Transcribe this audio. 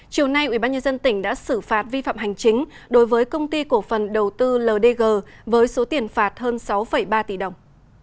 chiều nay ubnd tỉnh đã xử phạt vi phạm hành chính đối với công ty cổ phần đầu tư ldg với số tiền phạt hơn sáu ba tỷ đồng